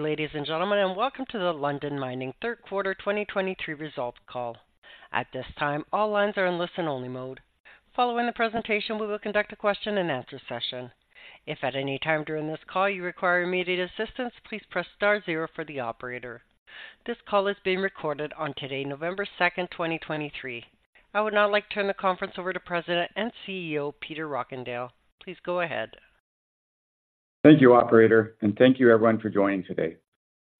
Ladies and gentlemen, welcome to the Lundin Mining third quarter 2023 results call. At this time, all lines are in listen-only mode. Following the presentation, we will conduct a question and answer session. If at any time during this call you require immediate assistance, please press star zero for the operator. This call is being recorded today, November 2, 2023. I would now like to turn the conference over to President and CEO Peter Rockandel. Please go ahead. Thank you, operator, and thank you everyone for joining today.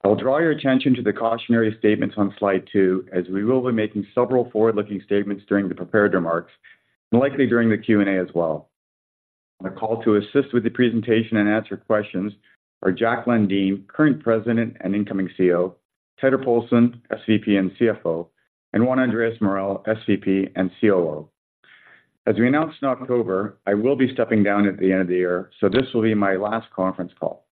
I will draw your attention to the cautionary statements on slide two, as we will be making several forward-looking statements during the prepared remarks, and likely during the Q&A as well. On the call to assist with the presentation and answer questions are Jack Lundin, current president and incoming CEO, Teitur Poulsen, SVP and CFO, and Juan Andrés Morel, SVP and COO. As we announced in October, I will be stepping down at the end of the year, so this will be my last conference call.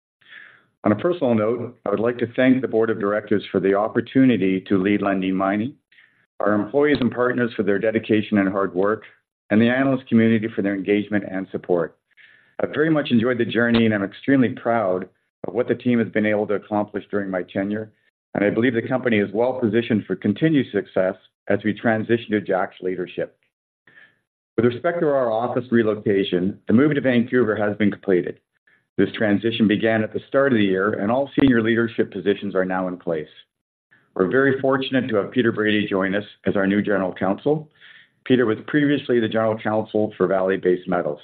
On a personal note, I would like to thank the board of directors for the opportunity to lead Lundin Mining, our employees and partners for their dedication and hard work, and the analyst community for their engagement and support. I've very much enjoyed the journey and I'm extremely proud of what the team has been able to accomplish during my tenure, and I believe the company is well positioned for continued success as we transition to Jack's leadership. With respect to our office relocation, the move to Vancouver has been completed. This transition began at the start of the year, and all senior leadership positions are now in place. We're very fortunate to have Peter Brady join us as our new General Counsel. Peter was previously the General Counsel for Vale Base Metals.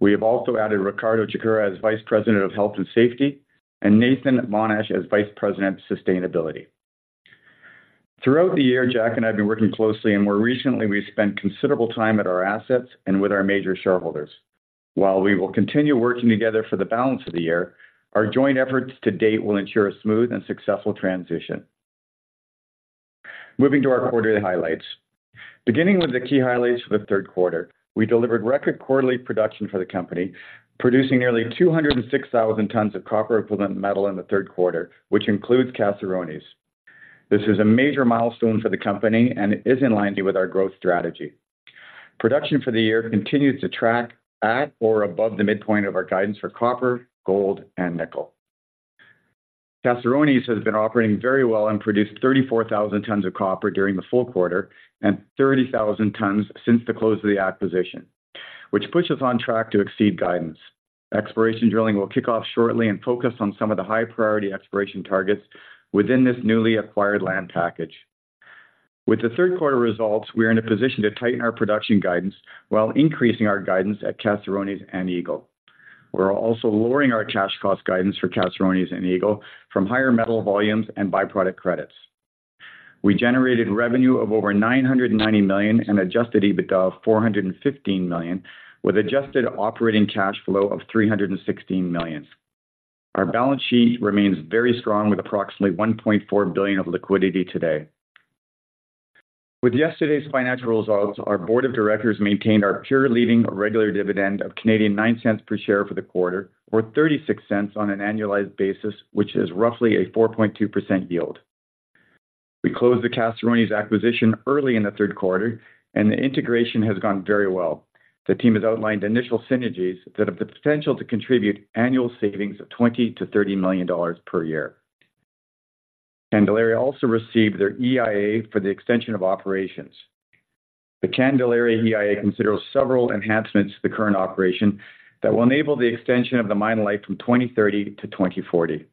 We have also added Ricardo Checura as Vice President of Health and Safety, and Nathan Monash as Vice President of Sustainability. Throughout the year, Jack and I have been working closely, and more recently, we've spent considerable time at our assets and with our major shareholders. While we will continue working together for the balance of the year, our joint efforts to date will ensure a smooth and successful transition. Moving to our quarterly highlights. Beginning with the key highlights for the third quarter, we delivered record quarterly production for the company, producing nearly 206,000 tons of copper-equivalent metal in the third quarter, which includes Caserones. This is a major milestone for the company and is in line with our growth strategy. Production for the year continues to track at or above the midpoint of our guidance for copper, gold, and nickel. Caserones has been operating very well and produced 34,000 tons of copper during the full quarter and 30,000 tons since the close of the acquisition, which puts us on track to exceed guidance. Exploration drilling will kick off shortly and focus on some of the high-priority exploration targets within this newly acquired land package. With the third quarter results, we are in a position to tighten our production guidance while increasing our guidance at Caserones and Eagle. We're also lowering our cash cost guidance for Caserones and Eagle from higher metal volumes and byproduct credits. We generated revenue of over $990 million and adjusted EBITDA of $415 million, with adjusted operating cash flow of $316 million. Our balance sheet remains very strong, with approximately $1.4 billion of liquidity today. With yesterday's financial results, our board of directors maintained our peer-leading regular dividend of 0.09 per share for the quarter, or 0.36 on an annualized basis, which is roughly a 4.2% yield. We closed the Caserones acquisition early in the third quarter, and the integration has gone very well. The team has outlined initial synergies that have the potential to contribute annual savings of $20-$30 million per year. Candelaria also received their EIA for the extension of operations. The Candelaria EIA considers several enhancements to the current operation that will enable the extension of the mine-life from 2030 to 2040.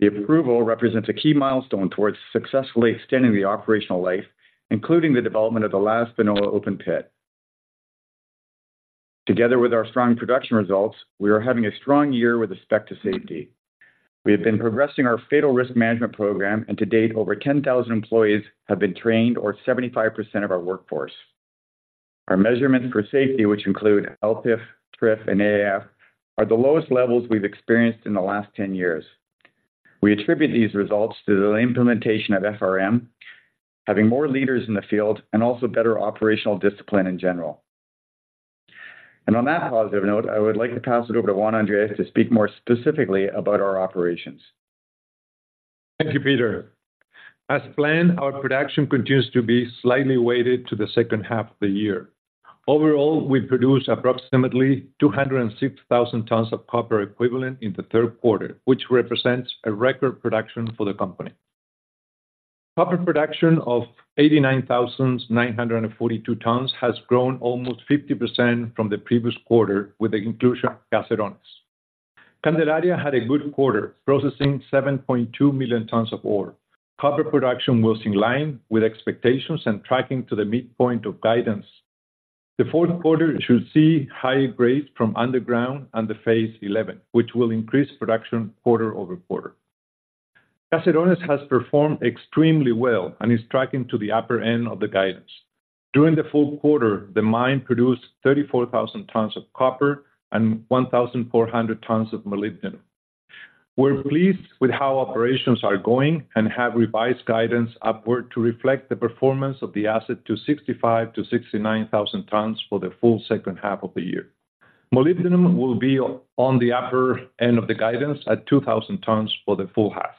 The approval represents a key milestone towards successfully extending the operational life, including the development of the last final open pit. Together with our strong production results, we are having a strong year with respect to safety. We have been progressing our Fatal Risk Management program, and to date, over 10,000 employees have been trained, or 75% of our workforce. Our measurements for safety, which include LTIF, TRIF, and AIF, are the lowest levels we've experienced in the last 10 years. We attribute these results to the implementation of FRM, having more leaders in the field, and also better operational discipline in general. On that positive note, I would like to pass it over to Juan Andrés to speak more specifically about our operations. Thank you, Peter. As planned, our production continues to be slightly weighted to the second half of the year. Overall, we produced approximately 206,000 tons of copper-equivalent in the third quarter, which represents a record production for the company. Copper production of 89,942 tons has grown almost 50% from the previous quarter with the inclusion of Caserones. Candelaria had a good quarter, processing 7.2 million tons of ore. Copper production was in line with expectations and tracking to the midpoint of guidance. The fourth quarter should see higher grades from underground and the Phase 11, which will increase production quarter-over-quarter. Caserones has performed extremely well and is tracking to the upper end of the guidance. During the full quarter, the mine produced 34,000 tons of copper and 1,400 tons of molybdenum. We're pleased with how operations are going and have revised guidance upward to reflect the performance of the asset to 65,000-69,000 tons for the full second half of the year. Molybdenum will be on the upper end of the guidance at 2,000 tons for the full half.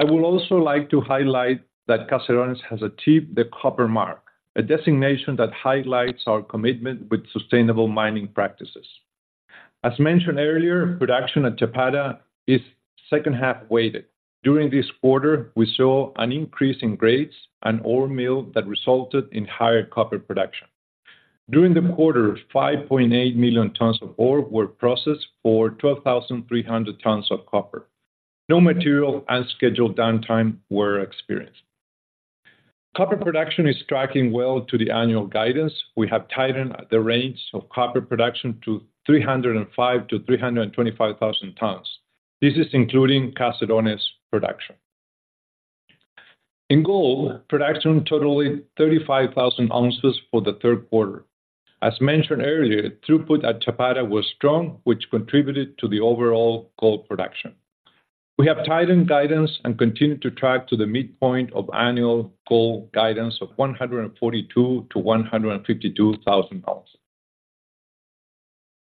I would also like to highlight that Caserones has achieved the Copper Mark, a designation that highlights our commitment with sustainable mining practices. As mentioned earlier, production at Chapada is second-half weighted. During this quarter, we saw an increase in grades and ore milled that resulted in higher copper production. During the quarter, 5.8 million tons of ore were processed for 12,300 tons of copper. No material and scheduled downtime were experienced. Copper production is tracking well to the annual guidance. We have tightened the range of copper production to 305,000-325,000 tons. This is including Caserones production. In gold, production totaled 35,000 ounces for the third quarter. As mentioned earlier, throughput at Chapada was strong, which contributed to the overall gold production. We have tightened guidance and continued to track to the midpoint of annual gold guidance of 142,000-152,000 ounces.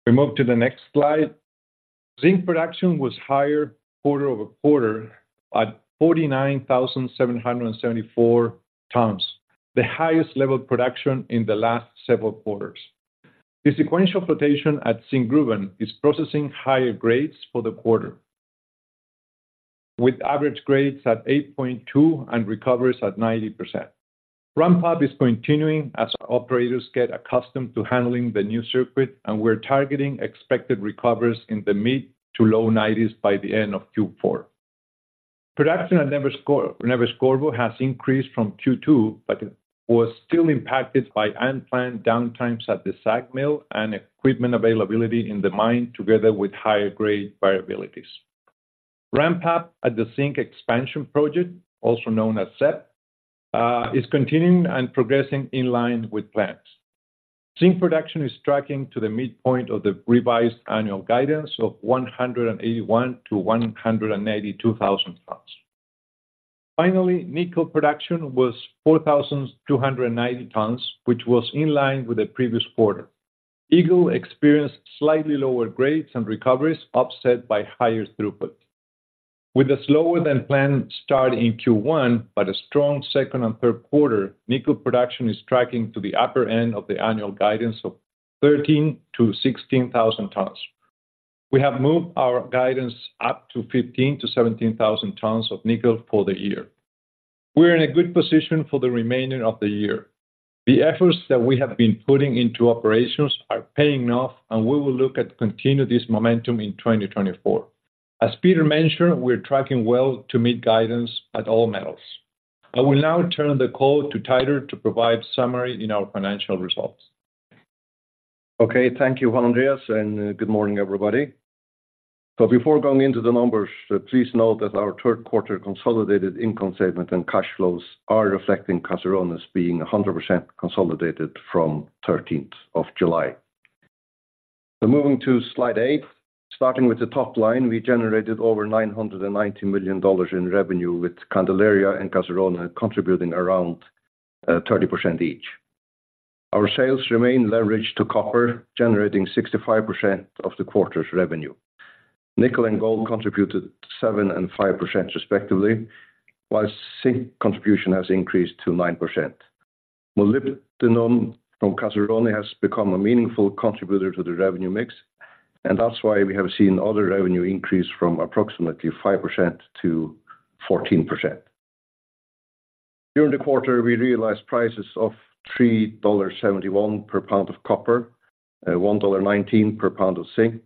We move to the next slide. Zinc production was higher quarter-over-quarter at 49,774 tons, the highest level of production in the last several quarters. The sequential flotation at Zinkgruvan is processing higher grades for the quarter, with average grades at 8.2 and recoveries at 90%. Ramp-up is continuing as operators get accustomed to handling the new circuit, and we're targeting expected recoveries in the mid- to low 90s% by the end of Q4. Production at Neves-Corvo has increased from Q2, but it was still impacted by unplanned downtimes at the SAG mill and equipment availability in the mine, together with higher grade variabilities. Ramp-up at the Zinc Expansion Project, also known as ZEP, is continuing and progressing in line with plans. Zinc production is tracking to the midpoint of the revised annual guidance of 181,000-192,000 tons. Finally, nickel production was 4,290 tons, which was in line with the previous quarter. Eagle experienced slightly lower grades and recoveries, offset by higher throughput. With a slower-than-planned start in Q1, but a strong second and third quarter, nickel production is tracking to the upper end of the annual guidance of 13,000-16,000 tons. We have moved our guidance up to 15,000-17,000 tons of nickel for the year. We're in a good position for the remaining of the year. The efforts that we have been putting into operations are paying off, and we will look at continue this momentum in 2024. As Peter mentioned, we're tracking well to meet guidance at all metals. I will now turn the call to Teitur to provide summary in our financial results. Okay, thank you, Juan Andrés, and, good morning, everybody. But before going into the numbers, please note that our third quarter consolidated income statement and cash flows are reflecting Caserones being 100% consolidated from July 13th. So moving to slide eight, starting with the top line, we generated over $990 million in revenue, with Candelaria and Caserones contributing around 30% each. Our sales remain leveraged to copper, generating 65% of the quarter's revenue. Nickel and gold contributed 7% and 5%, respectively, while zinc contribution has increased to 9%. Molybdenum from Caserones has become a meaningful contributor to the revenue mix, and that's why we have seen other revenue increase from approximately 5% to 14%. During the quarter, we realized prices of $3.71 per pound of copper, $1.19 per pound of zinc,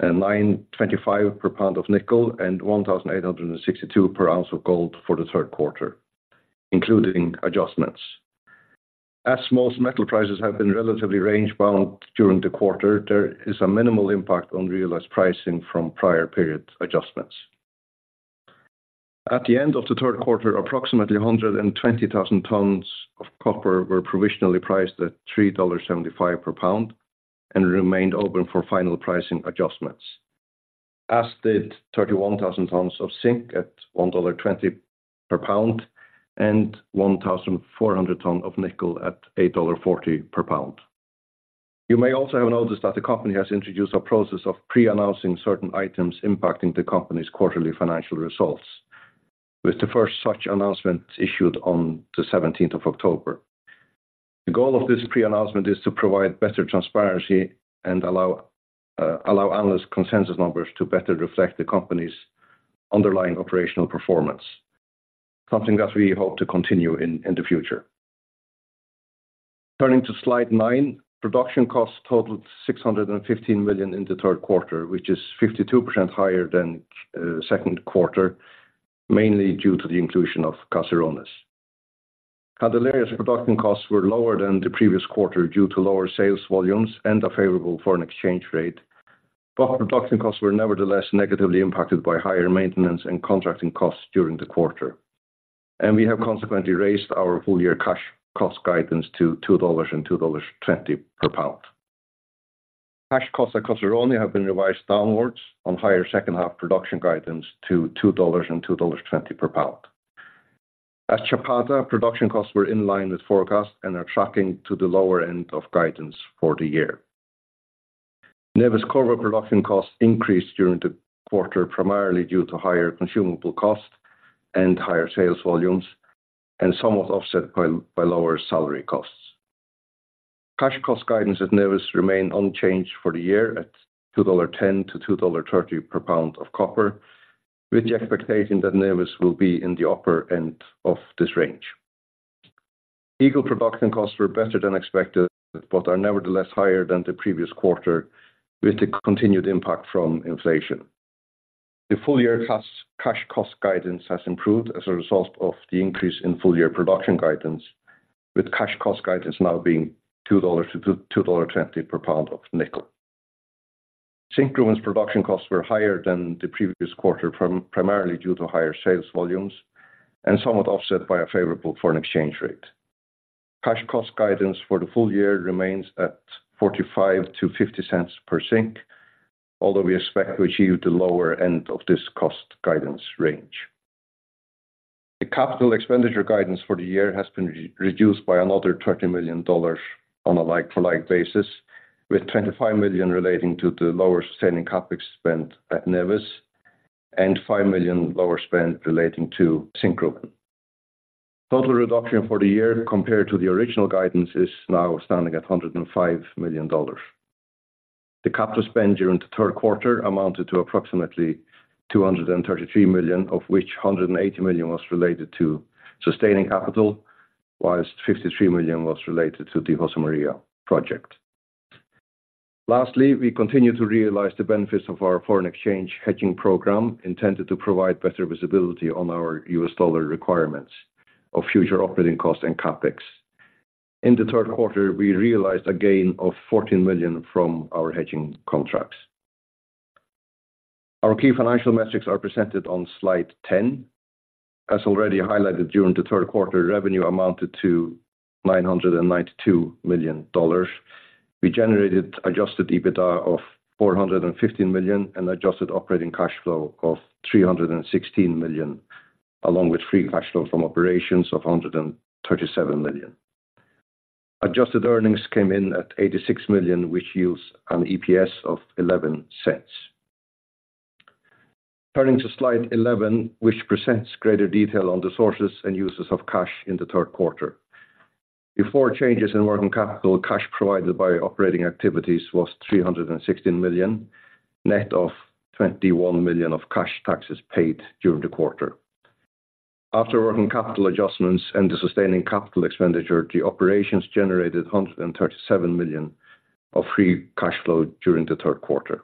and $9.25 per pound of nickel, and $1,862 per ounce of gold for the third quarter, including adjustments. As most metal prices have been relatively range-bound during the quarter, there is a minimal impact on realized pricing from prior period adjustments. At the end of the third quarter, approximately 120,000 tons of copper were provisionally priced at $3.75 per pound and remained open for final pricing adjustments, as did 31,000 tons of zinc at $1.20 per pound and 1,400 tons of nickel at $8.40 per pound. You may also have noticed that the company has introduced a process of pre-announcing certain items impacting the company's quarterly financial results, with the first such announcement issued on the October 17th. The goal of this pre-announcement is to provide better transparency and allow, allow analyst consensus numbers to better reflect the company's underlying operational performance, something that we hope to continue in, in the future. Turning to slide nine, production costs totaled $615 million in the third quarter, which is 52% higher than second quarter, mainly due to the inclusion of Caserones. Candelaria's production costs were lower than the previous quarter due to lower sales volumes and a favorable foreign exchange rate. Production costs were nevertheless negatively impacted by higher maintenance and contracting costs during the quarter, and we have consequently raised our full-year cash cost guidance to $2-$2.20 per pound. Cash costs at Caserones have been revised downwards on higher second-half production guidance to $2-$2.20 per pound. At Chapada, production costs were in line with forecast and are tracking to the lower end of guidance for the year.... Neves-Corvo copper production costs increased during the quarter, primarily due to higher consumable costs and higher sales volumes, and somewhat offset by lower salary costs. Cash cost guidance at Neves-Corvo remain unchanged for the year at $2.10-$2.30 per pound of copper, with the expectation that Neves-Corvo will be in the upper end of this range. Eagle production costs were better than expected, but are nevertheless higher than the previous quarter, with the continued impact from inflation. The full-year cash cost guidance has improved as a result of the increase in full-year production guidance, with cash cost guidance now being $2-$2.20 per pound of nickel. Zinkgruvan production costs were higher than the previous quarter, primarily due to higher sales volumes, and somewhat offset by a favorable foreign exchange rate. Cash cost guidance for the full-year remains at $0.45-$0.50 per zinc, although we expect to achieve the lower end of this cost guidance range. The capital expenditure guidance for the year has been reduced by another $30 million on a like-for-like basis, with $25 million relating to the lower sustaining CapEx spend at Neves-Corvo, and $5 million lower spend relating to Zinkgruvan. Total reduction for the year, compared to the original guidance, is now standing at $105 million. The capital spend during the third quarter amounted to approximately $233 million, of which $180 million was related to sustaining capital, while $53 million was related to the Josemaria project. Lastly, we continue to realize the benefits of our foreign exchange hedging program, intended to provide better visibility on our U.S. dollar requirements of future operating costs and CapEx. In the third quarter, we realized a gain of $14 million from our hedging contracts. Our key financial metrics are presented on slide 10. As already highlighted, during the third quarter, revenue amounted to $992 million. We generated adjusted EBITDA of $415 million, and adjusted operating cash flow of $316 million, along with free cash flow from operations of $137 million. Adjusted earnings came in at $86 million, which yields an EPS of $0.11. Turning to slide 11, which presents greater detail on the sources and uses of cash in the third quarter. Before changes in working capital, cash provided by operating activities was $316 million, net of $21 million of cash taxes paid during the quarter. After working capital adjustments and the sustaining capital expenditure, the operations generated $137 million of free cash flow during the third quarter.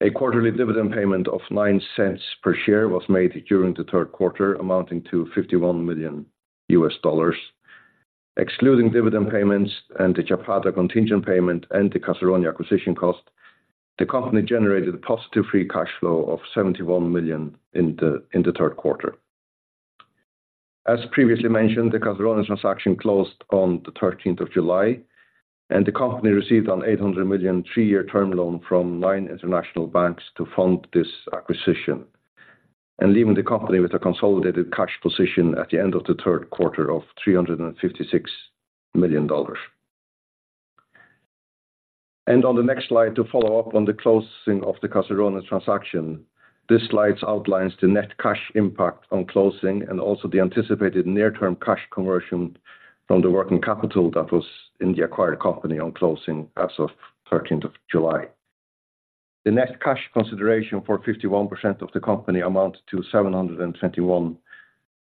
A quarterly dividend payment of $0.09 per share was made during the third quarter, amounting to $51 million U.S. dollars. Excluding dividend payments and the Chapada contingent payment and the Caserones acquisition cost, the company generated a positive free cash flow of $71 million in the third quarter. As previously mentioned, the Caserones transaction closed on the July 13th, and the company received an $800 million three-year term loan from nine international banks to fund this acquisition, and leaving the company with a consolidated cash position at the end of the third quarter of $356 million. On the next slide, to follow-up on the closing of the Caserones transaction, this slide outlines the net cash impact on closing and also the anticipated near-term cash conversion from the working capital that was in the acquired company on closing as of July 13th. The net cash consideration for 51% of the company amounted to $721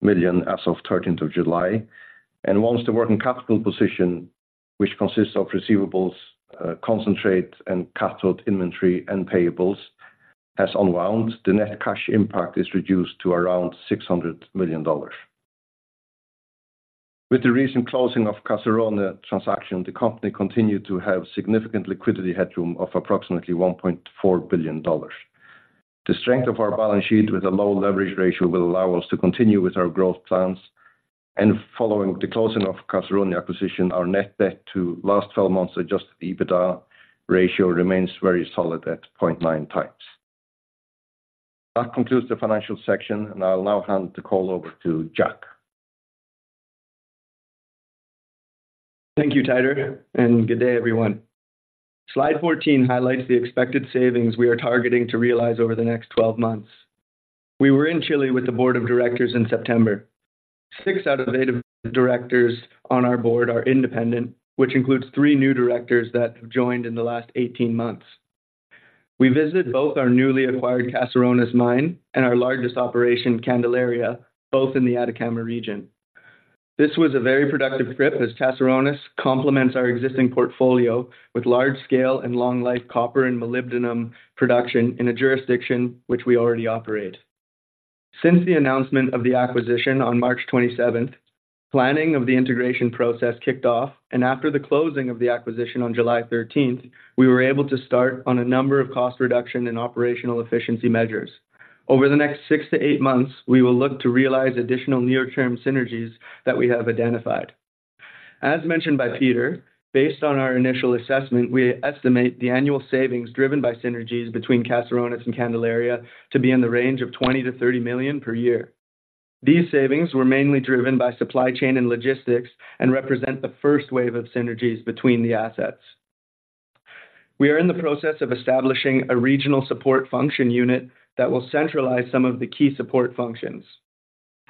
million as of July 13th. Once the working-capital position, which consists of receivables, concentrate and cathode inventory and payables, has unwound, the net cash impact is reduced to around $600 million. With the recent closing of Caserones transaction, the company continued to have significant liquidity headroom of approximately $1.4 billion. The strength of our balance sheet with a low leverage ratio will allow us to continue with our growth plans, and following the closing of Caserones acquisition, our net debt to last twelve months adjusted EBITDA ratio remains very solid at 0.9x. That concludes the financial section, and I'll now hand the call over to Jack. Thank you, Peter, and good day, everyone. Slide 14 highlights the expected savings we are targeting to realize over the next 12 months. We were in Chile with the board of directors in September. Six out of eight of the directors on our board are independent, which includes three new directors that have joined in the last 18 months. We visited both our newly acquired Caserones mine and our largest operation, Candelaria, both in the Atacama region. This was a very productive trip, as Caserones complements our existing portfolio with large-scale and long-life copper and molybdenum production in a jurisdiction which we already operate. Since the announcement of the acquisition on March 27, planning of the integration process kicked off, and after the closing of the acquisition on July 13th, we were able to start on a number of cost reduction and operational efficiency measures. Over the next 6-8 months, we will look to realize additional near-term synergies that we have identified. As mentioned by Peter, based on our initial assessment, we estimate the annual savings driven by synergies between Caserones and Candelaria to be in the range of $20 million-$30 million per year. These savings were mainly driven by supply chain and logistics and represent the first wave of synergies between the assets. We are in the process of establishing a regional support function unit that will centralize some of the key support functions.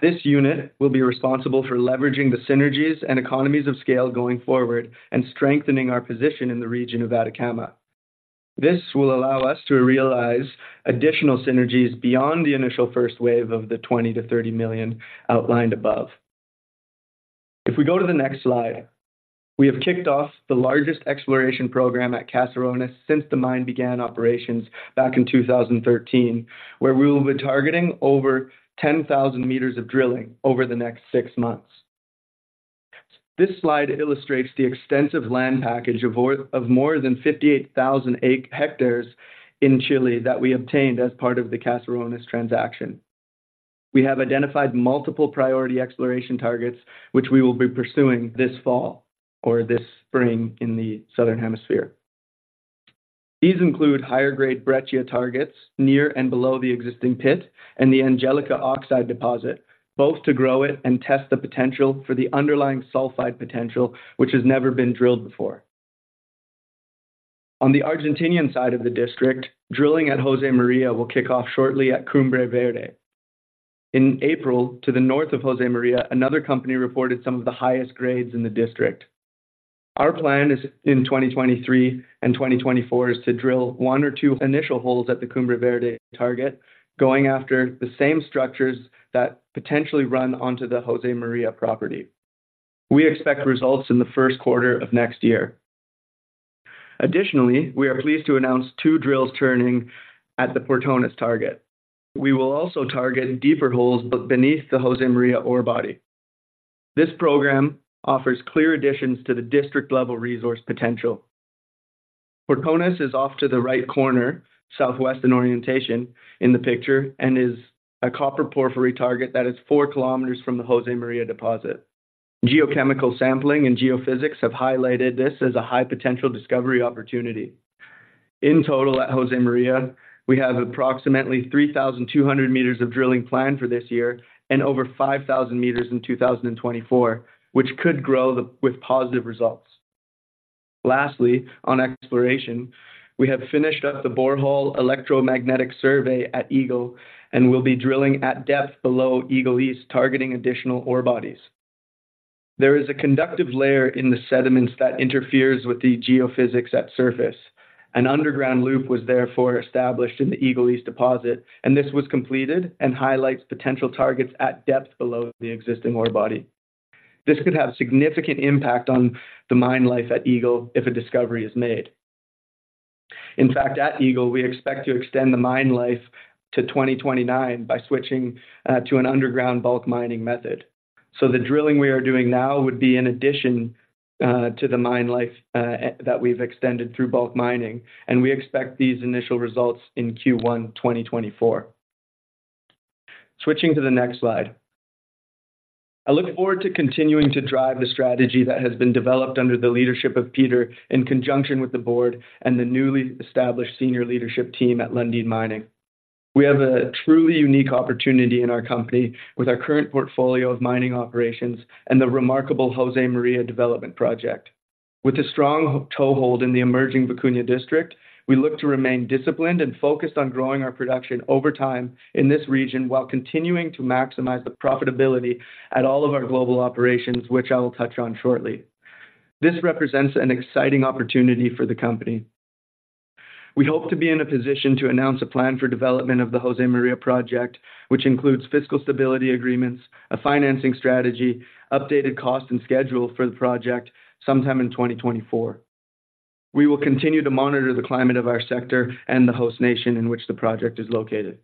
This unit will be responsible for leveraging the synergies and economies of scale going forward and strengthening our position in the region of Atacama. This will allow us to realize additional synergies beyond the initial first wave of the $20 million-$30 million outlined above. If we go to the next slide, we have kicked off the largest exploration program at Caserones since the mine began operations back in 2013, where we will be targeting over 10,000 meters of drilling over the next six months. This slide illustrates the extensive land package of more than 58,000 hectares in Chile, that we obtained as part of the Caserones transaction. We have identified multiple priority exploration targets, which we will be pursuing this fall or this spring in the Southern Hemisphere. These include higher grade breccia targets near and below the existing pit and the Angelica oxide deposit, both to grow it and test the potential for the underlying sulfide potential, which has never been drilled before. On the Argentinian side of the district, drilling at Josemaria will kick off shortly at Cumbre Verde. In April, to the north of Josemaria, another company reported some of the highest grades in the district. Our plan is, in 2023 and 2024, is to drill 1 or 2 initial holes at the Cumbre Verde target, going after the same structures that potentially run onto the Josemaria property. We expect results in the first quarter of next year. Additionally, we are pleased to announce 2 drills turning at the Portones target. We will also target deeper holes beneath the Josemaria ore body. This program offers clear additions to the district-level resource potential. Portones is off to the right corner, southwestern orientation in the picture, and is a copper porphyry target that is 4 km from the Josemaria deposit. Geochemical sampling and geophysics have highlighted this as a high potential discovery opportunity. In total, at Josemaria, we have approximately 3,200 meters of drilling planned for this year and over 5,000 meters in 2024, which could grow the with positive results. Lastly, on exploration, we have finished up the borehole electromagnetic survey at Eagle and will be drilling at depth below Eagle East, targeting additional ore bodies. There is a conductive layer in the sediments that interferes with the geophysics at surface. An underground loop was therefore established in the Eagle East deposit, and this was completed and highlights potential targets at depth below the existing ore body. This could have significant impact on the mine-life at Eagle if a discovery is made. In fact, at Eagle, we expect to extend the mine-life to 2029 by switching to an underground bulk mining method. So the drilling we are doing now would be in addition to the mine-life that we've extended through bulk mining, and we expect these initial results in Q1 2024. Switching to the next slide. I look forward to continuing to drive the strategy that has been developed under the leadership of Peter, in conjunction with the board and the newly established senior leadership team at Lundin Mining. We have a truly unique opportunity in our company with our current portfolio of mining operations and the remarkable Josemaria development project. With a strong toehold in the emerging Vicuña District, we look to remain disciplined and focused on growing our production over time in this region while continuing to maximize the profitability at all of our global operations, which I will touch on shortly. This represents an exciting opportunity for the company. We hope to be in a position to announce a plan for development of the Josemaria project, which includes fiscal stability agreements, a financing strategy, updated cost and schedule for the project sometime in 2024. We will continue to monitor the climate of our sector and the host nation in which the project is located.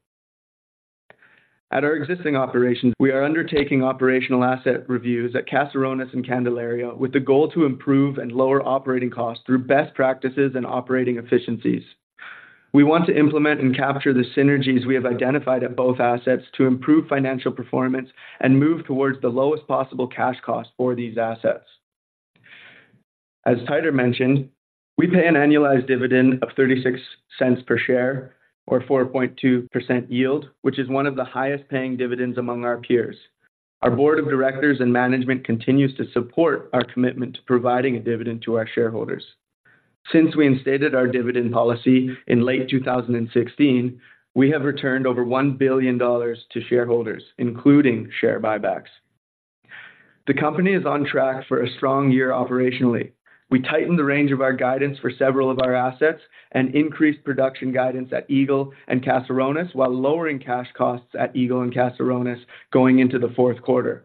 At our existing operations, we are undertaking operational asset reviews at Caserones and Candelaria, with the goal to improve and lower operating costs through best practices and operating efficiencies. We want to implement and capture the synergies we have identified at both assets to improve financial performance and move towards the lowest possible cash cost for these assets. As Teitur mentioned, we pay an annualized dividend of 0.36 per share or 4.2% yield, which is one of the highest-paying dividends among our peers. Our board of directors and management continues to support our commitment to providing a dividend to our shareholders. Since we instated our dividend policy in late 2016, we have returned over $1 billion to shareholders, including share buybacks. The company is on track for a strong year operationally. We tightened the range of our guidance for several of our assets and increased production guidance at Eagle and Caserones, while lowering cash costs at Eagle and Caserones going into the fourth quarter.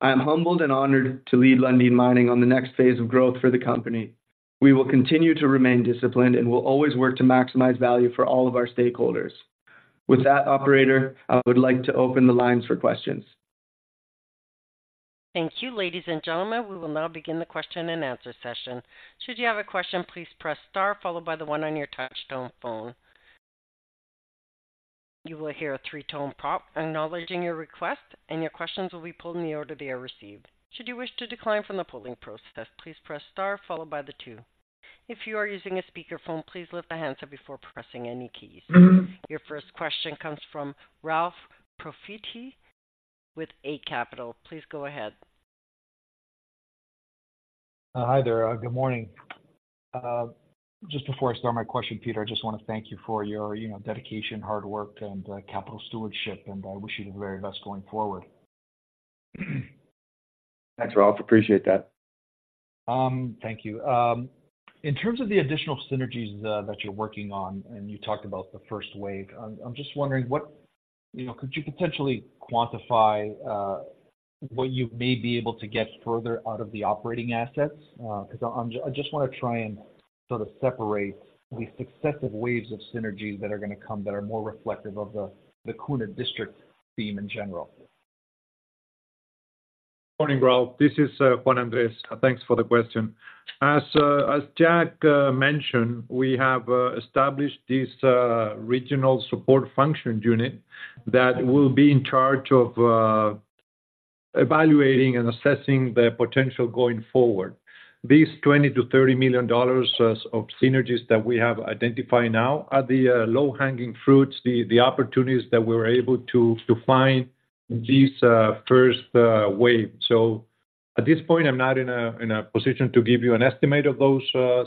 I am humbled and honored to lead Lundin Mining on the next phase of growth for the company. We will continue to remain disciplined and will always work to maximize value for all of our stakeholders. With that, operator, I would like to open the lines for questions. Thank you, ladies and gentlemen. We will now begin the question and answer session. Should you have a question, please press star followed by the one on your touchtone phone. You will hear a three-tone prompt acknowledging your request, and your questions will be pulled in the order they are received. Should you wish to decline from the polling process, please press star followed by the two.... If you are using a speakerphone, please lift the handset before pressing any keys. Your first question comes from Ralph Profiti with Eight Capital. Please go ahead. Hi there. Good morning. Just before I start my question, Peter, I just want to thank you for your, you know, dedication, hard work, and capital stewardship, and I wish you the very best going forward. Thanks, Ralph. Appreciate that. Thank you. In terms of the additional synergies that you're working on, and you talked about the first wave, I'm just wondering what, you know, could you potentially quantify what you may be able to get further out of the operating assets? Because I'm just wanna try and sort of separate the successive waves of synergies that are gonna come that are more reflective of the Vicuña District theme in general. Morning, Ralph. This is Juan Andrés. Thanks for the question. As Jack mentioned, we have established this regional support function unit that will be in charge of evaluating and assessing the potential going forward. These $20 million-$30 million of synergies that we have identified now are the low-hanging fruits, the opportunities that we're able to find this first wave. So at this point, I'm not in a position to give you an estimate of those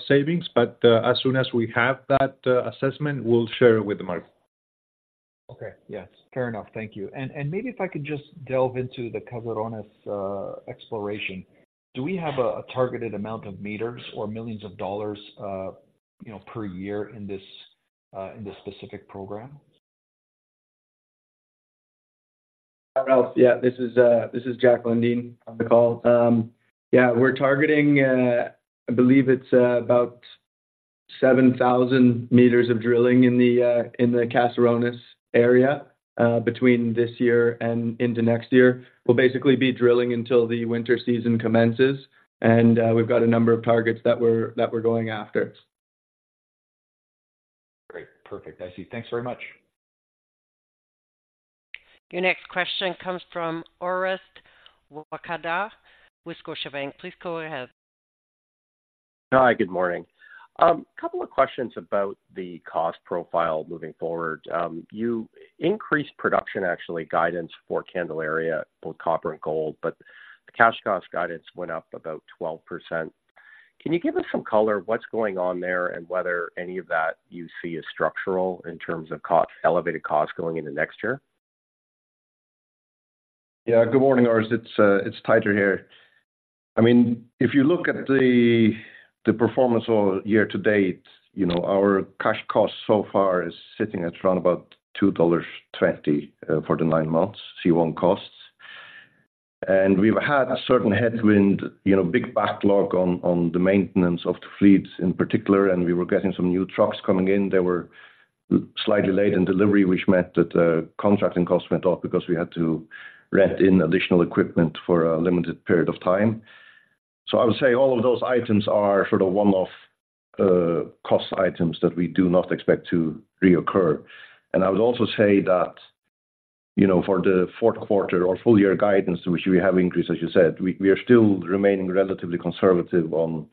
savings, but as soon as we have that assessment, we'll share it with the market. Okay. Yes, fair enough. Thank you. Maybe if I could just delve into the Caserones exploration. Do we have a targeted amount of meters or millions of dollars, you know, per year in this specific program? Hi, Ralph. Yeah, this is, this is Jack Lundin on the call. Yeah, we're targeting, I believe it's, about 7,000 meters of drilling in the, in the Caserones area, between this year and into next year. We'll basically be drilling until the winter season commences, and, we've got a number of targets that we're, that we're going after. Great. Perfect, I see. Thanks very much. Your next question comes from Orest Wowkodaw with Scotiabank. Please go ahead. Hi, good morning. A couple of questions about the cost profile moving forward. You increased production, actually, guidance for Candelaria, both copper and gold, but the cash cost guidance went up about 12%. Can you give us some color what's going on there, and whether any of that you see is structural in terms of cost-elevated costs going into next year? Yeah. Good morning, Orest. It's Teitur here. I mean, if you look at the performance all year-to-date, you know, our cash cost so far is sitting at around about $2.20 for the nine months, C1 costs. And we've had a certain headwind, you know, big backlog on the maintenance of the fleet in particular, and we were getting some new trucks coming in. They were slightly late in delivery, which meant that contracting costs went up because we had to rent in additional equipment for a limited period of time. So I would say all of those items are sort of one-off cost items that we do not expect to reoccur. I would also say that, you know, for the fourth quarter or full-year guidance, which we have increased, as you said, we are still remaining relatively conservative on,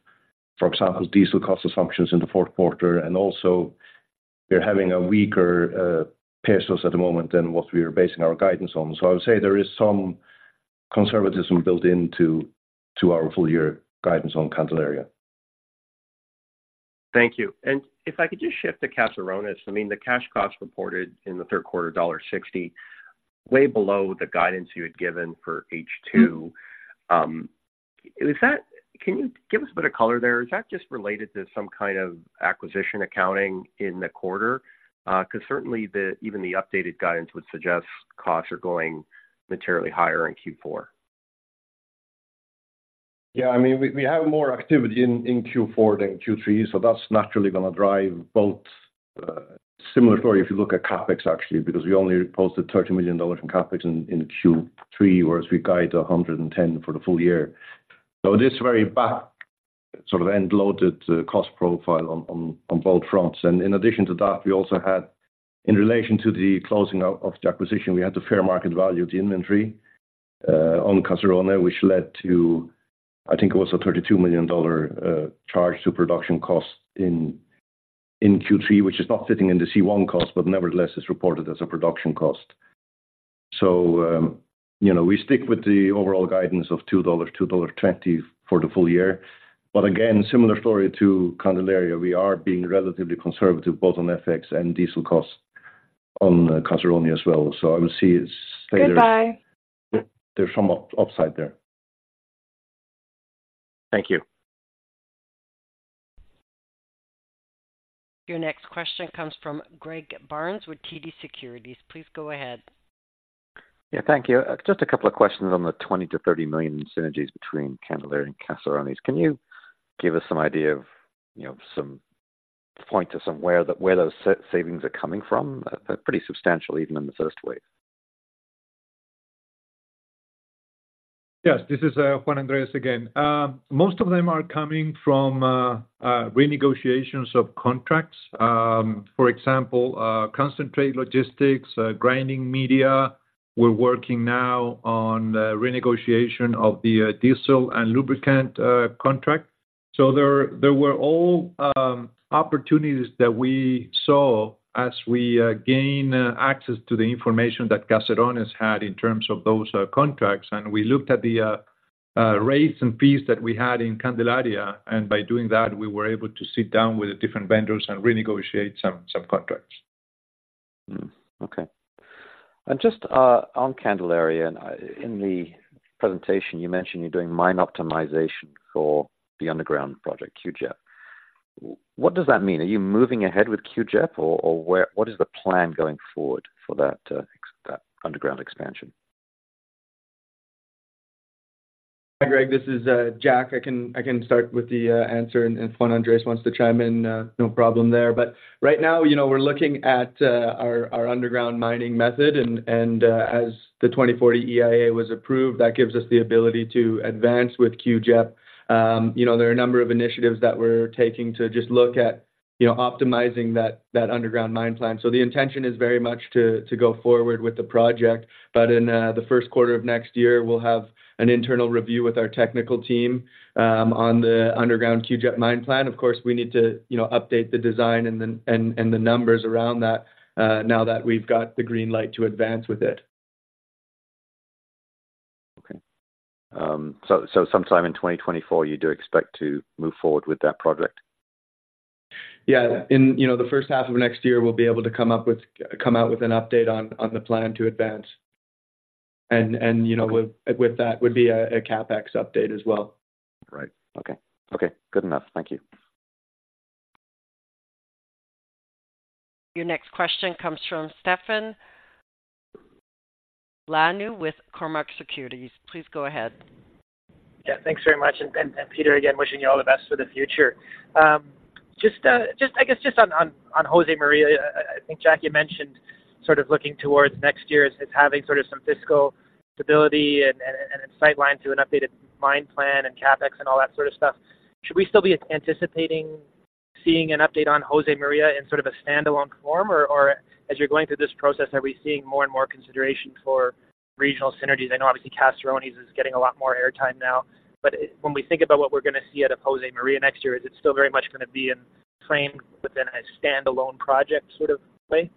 for example, diesel cost assumptions in the fourth quarter. Also we're having a weaker pesos at the moment than what we are basing our guidance on. So I would say there is some conservatism built into our full-year guidance on Candelaria. Thank you. And if I could just shift to Caserones, I mean, the cash costs reported in the third quarter, $60, way below the guidance you had given for H2. Is that... Can you give us a bit of color there? Is that just related to some kind of acquisition accounting in the quarter? Because certainly the, even the updated guidance would suggest costs are going materially higher in Q4. Yeah, I mean, we have more activity in Q4 than Q3, so that's naturally gonna drive both. Similar story if you look at CapEx, actually, because we only posted $30 million in CapEx in Q3, whereas we guide 110 for the full-year. So this very back sort of end-loaded cost profile on both fronts. And in addition to that, we also had, in relation to the closing of the acquisition, we had the fair market value of the inventory on Caserones, which led to, I think it was a $32 million charge to production costs in Q3, which is not sitting in the C1 cost, but nevertheless is reported as a production cost. So, you know, we stick with the overall guidance of $2-$2.20 for the full-year. But again, similar story to Candelaria, we are being relatively conservative, both on FX and diesel costs on Caserones as well. So I would say it's- Goodbye. There's some upside there. Thank you. Your next question comes from Greg Barnes with TD Securities. Please go ahead. Yeah, thank you. Just a couple of questions on the $20 million-$30 million synergies between Candelaria and Caserones. Can you give us some idea of, you know, some point to somewhere that, where those savings are coming from? Pretty substantial, even in the first wave. Yes, this is Juan Andrés again. Most of them are coming from renegotiations of contracts. For example, concentrate logistics, grinding media. We're working now on the renegotiation of the diesel and lubricant contract. So there were all opportunities that we saw as we gain access to the information that Caserones had in terms of those contracts. And we looked at the rates and fees that we had in Candelaria, and by doing that, we were able to sit down with the different vendors and renegotiate some contracts. Hmm, okay. And just on Candelaria, and in the presentation, you mentioned you're doing mine optimization for the underground project, CUGEP. What does that mean? Are you moving ahead with CUGEP, or, or where, what is the plan going forward for that, that underground expansion? Hi, Greg, this is Jack. I can start with the answer, and if Juan Andrés wants to chime in, no problem there. But right now, you know, we're looking at our underground mining method. And as the 2040 EIA was approved, that gives us the ability to advance with CUGEP. You know, there are a number of initiatives that we're taking to just look at, you know, optimizing that underground mine plan. So the intention is very much to go forward with the project, but in the first quarter of next year, we'll have an internal review with our technical team on the underground CUGEP mine plan. Of course, we need to, you know, update the design and then the numbers around that, now that we've got the green light to advance with it. Okay. So sometime in 2024, you do expect to move forward with that project? Yeah. In, you know, the first-half of next year, we'll be able to come up with, come out with an update on the plan to advance. You know, with that would be a CapEx update as well. Right. Okay. Okay, good enough. Thank you. Your next question comes from Stefan Ioannou with Cormark Securities. Please go ahead. Yeah, thanks very much. And Peter, again, wishing you all the best for the future. Just, I guess, just on Josemaria, I think, Jack, you mentioned sort of looking towards next year as having sort of some fiscal stability and a sideline to an updated mine plan and CapEx and all that sort of stuff. Should we still be anticipating seeing an update on Josemaria in sort of a standalone form? Or as you're going through this process, are we seeing more and more consideration for regional synergies? I know obviously Caserones is getting a lot more airtime now, but when we think about what we're going to see out of Josemaria next year, is it still very much going to be in plain within a standalone project sort of way?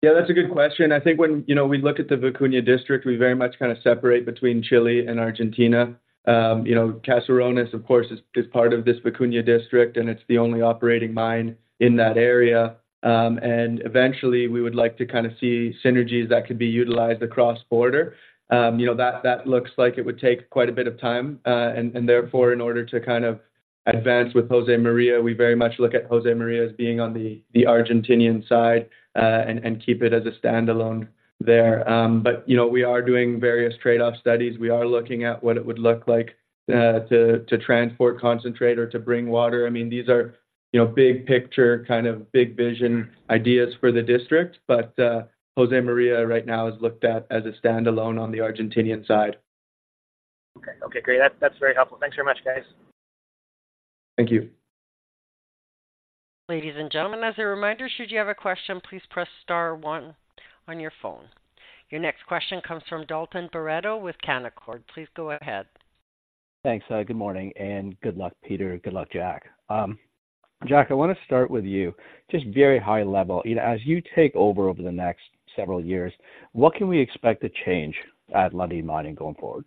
Yeah, that's a good question. I think when, you know, we look at the Vicuña District, we very much kind of separate between Chile and Argentina. You know, Caserones, of course, is part of this Vicuña District, and it's the only operating mine in that area. And eventually, we would like to kind of see synergies that could be utilized across border. You know, that looks like it would take quite a bit of time, and therefore, in order to kind of advance with Josemaria, we very much look at Josemaria as being on the Argentine side, and keep it as a standalone there. But, you know, we are doing various trade-off studies. We are looking at what it would look like to transport concentrate or to bring water. I mean, these are, you know, big picture, kind of big vision ideas for the district, but, Josemaria right now is looked at as a standalone on the Argentine side. Okay. Okay, great. That, that's very helpful. Thanks very much, guys. Thank you. Ladies and gentlemen, as a reminder, should you have a question, please press star one on your phone. Your next question comes from Dalton Barreto with Canaccord. Please go ahead. Thanks. Good morning, and good luck, Peter. Good luck, Jack. Jack, I want to start with you. Just very high level, you know, as you take over, over the next several years, what can we expect to change at Lundin Mining going forward?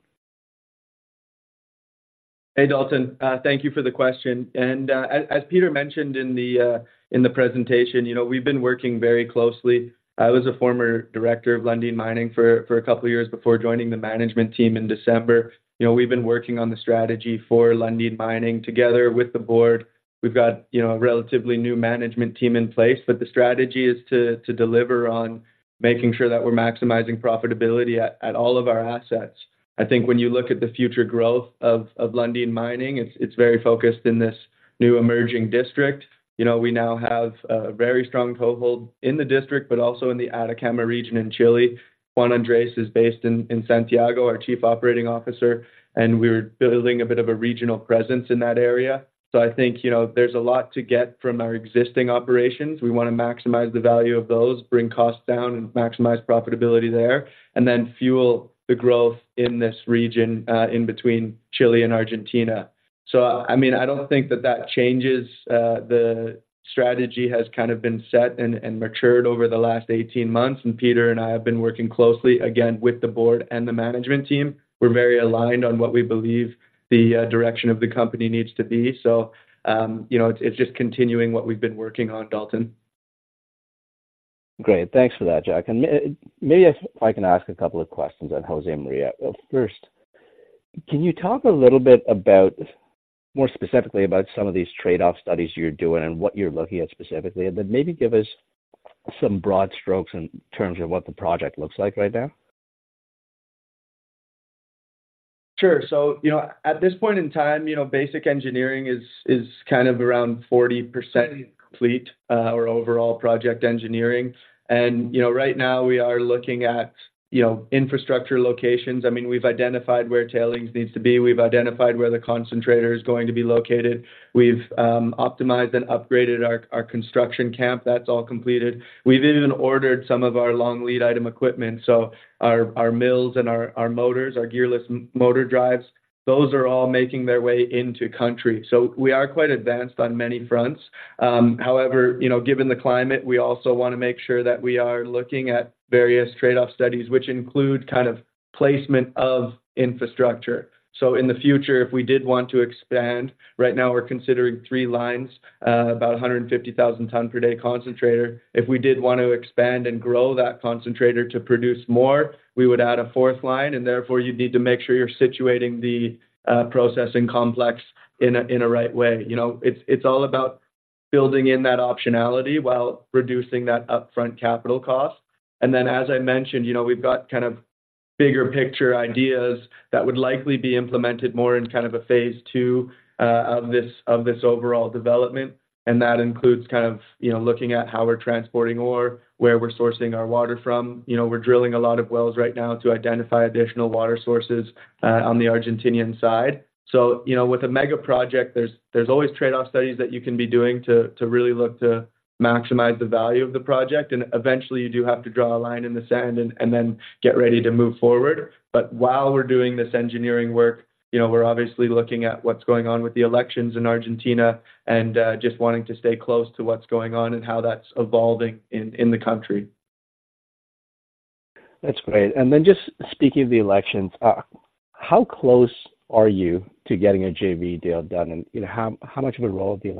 Hey, Dalton. Thank you for the question, and as Peter mentioned in the presentation, you know, we've been working very closely. I was a former director of Lundin Mining for a couple of years before joining the management team in December. You know, we've been working on the strategy for Lundin Mining together with the board. We've got, you know, a relatively new management team in place, but the strategy is to deliver on making sure that we're maximizing profitability at all of our assets. I think when you look at the future growth of Lundin Mining, it's very focused in this new emerging district. You know, we now have a very strong toehold in the district, but also in the Atacama region in Chile. Juan Andrés is based in Santiago, our Chief Operating Officer, and we're building a bit of a regional presence in that area. So I think, you know, there's a lot to get from our existing operations. We want to maximize the value of those, bring costs down, and maximize profitability there, and then fuel the growth in this region in between Chile and Argentina. So, I mean, I don't think that that changes the strategy has kind of been set and matured over the last 18 months, and Peter and I have been working closely, again, with the board and the management team. We're very aligned on what we believe the direction of the company needs to be. So, you know, it's just continuing what we've been working on, Dalton. Great. Thanks for that, Jack. And maybe if I can ask a couple of questions on Josemaria. First, can you talk a little bit about... More specifically about some of these trade-off studies you're doing and what you're looking at specifically? And then maybe give us some broad strokes in terms of what the project looks like right now.... Sure. So, you know, at this point in time, you know, basic engineering is kind of around 40% complete, our overall project engineering. And, you know, right now we are looking at, you know, infrastructure locations. I mean, we've identified where tailings needs to be. We've identified where the concentrator is going to be located. We've optimized and upgraded our construction camp. That's all completed. We've even ordered some of our long lead item equipment. So our mills and our motors, our gearless motor drives, those are all making their way into country. So we are quite advanced on many fronts. However, you know, given the climate, we also want to make sure that we are looking at various trade-off studies, which include kind of placement of infrastructure. So in the future, if we did want to expand, right now we're considering three lines, about 150,000 tons per day concentrator. If we did want to expand and grow that concentrator to produce more, we would add a fourth line, and therefore, you'd need to make sure you're situating the processing complex in a right way. You know, it's all about building in that optionality while reducing that upfront capital cost. And then, as I mentioned, you know, we've got kind of bigger picture ideas that would likely be implemented more in kind of a phase two of this overall development, and that includes kind of, you know, looking at how we're transporting ore, where we're sourcing our water from. You know, we're drilling a lot of wells right now to identify additional water sources on the Argentinian side. So, you know, with a mega project, there's always trade-off studies that you can be doing to really look to maximize the value of the project, and eventually you do have to draw a line in the sand and then get ready to move forward. But while we're doing this engineering work, you know, we're obviously looking at what's going on with the elections in Argentina and just wanting to stay close to what's going on and how that's evolving in the country. That's great. And then just speaking of the elections, how close are you to getting a JV deal done? And, you know, how much of a role are the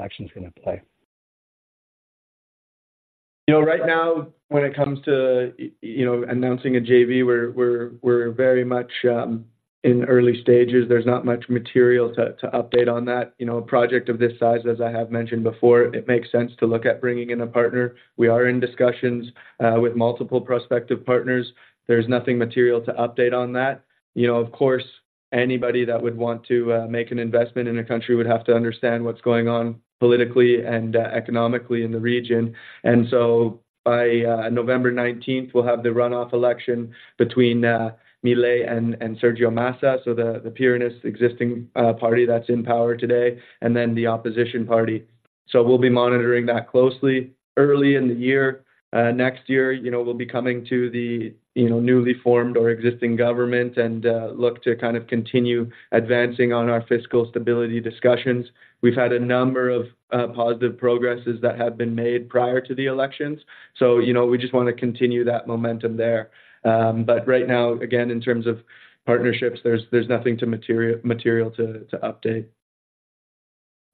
elections going to play? You know, right now, when it comes to, you know, announcing a JV, we're very much in early stages. There's not much material to update on that. You know, a project of this size, as I have mentioned before, it makes sense to look at bringing in a partner. We are in discussions with multiple prospective partners. There's nothing material to update on that. You know, of course, anybody that would want to make an investment in a country would have to understand what's going on politically and economically in the region. And so by November 19th, we'll have the runoff election between Milei and Sergio Massa, so the Peronist existing party that's in power today and then the opposition party. So we'll be monitoring that closely. Early in the year next year, you know, we'll be coming to the newly formed or existing government and look to kind of continue advancing on our fiscal stability discussions. We've had a number of positive progresses that have been made prior to the elections, so you know, we just want to continue that momentum there. But right now, again, in terms of partnerships, there's nothing material to update.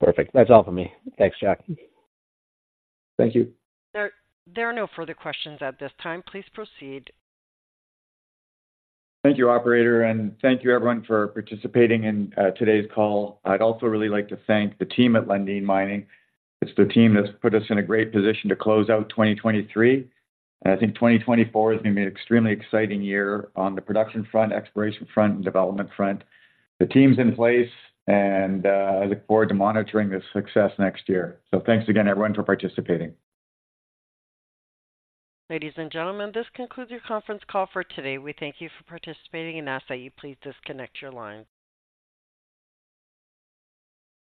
Perfect. That's all for me. Thanks, Jack. Thank you. There, there are no further questions at this time. Please proceed. Thank you, operator, and thank you everyone for participating in today's call. I'd also really like to thank the team at Lundin Mining. It's the team that's put us in a great position to close out 2023. I think 2024 is going to be an extremely exciting year on the production front, exploration front, and development front. The team's in place, and I look forward to monitoring the success next year. So thanks again, everyone, for participating. Ladies and gentlemen, this concludes your conference call for today. We thank you for participating and ask that you please disconnect your line.